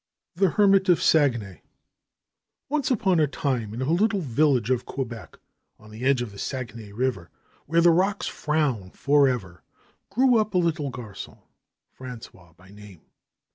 THE HERMIT OF SAGUENAY Once upon a time in a little village of Quebec, on the edge of the Saguenay River, where the rocks frown for ever, grew up a little gargon, Frangois by name.